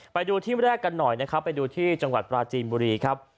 ไปดูที่แรกกันหน่อยนะครับไปดูที่จังหวัดปราจีนบุรีครับ